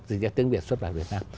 thì ra tiếng việt xuất bản ở việt nam